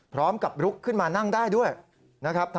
พร้อมกับลุกขึ้นมานั่งได้ด้วยนะครับ